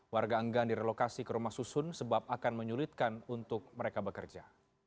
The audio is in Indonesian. warga enggan direlokasi ke rumah susun sebab akan menyulitkan untuk mereka bekerja